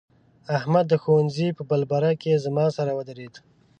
احمد د ښوونځي په بېلبره کې زما سره ودرېد.